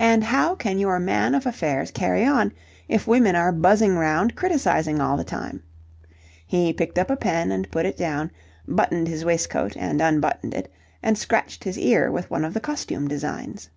And how can your man of affairs carry on if women are buzzing round criticizing all the time? He picked up a pen and put it down; buttoned his waistcoat and unbuttoned it; and scratched his ear with one of the costume designs.